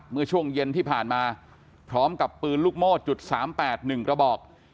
เมื่อช่วงเย็นที่ผ่านมาพร้อมกับปืนลูกโม่จุด๓๘๑กระบอก